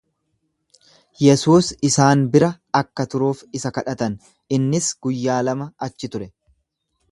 Yesuus isaan bira akka turuuf isa kadhatan, innis guyyaa lama achi ture.